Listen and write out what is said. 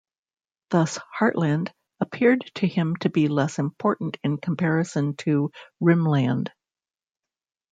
Thus, 'Heartland' appeared to him to be less important in comparison to 'Rimland.